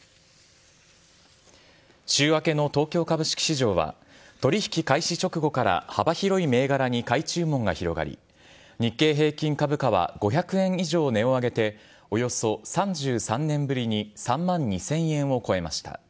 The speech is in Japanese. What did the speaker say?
週明けの東京株式市場は、取り引き開始直後から幅広い銘柄に買い注文が広がり、日経平均株価は５００円以上値を上げて、およそ３３年ぶりに３万２０００円を超えました。